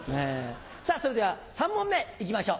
さぁそれでは３問目いきましょう。